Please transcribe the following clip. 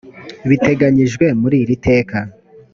biteganyijwe muri iri teka